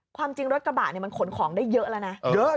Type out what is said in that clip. ความจริงรถกระบะมันขนของได้เยอะแล้วนะ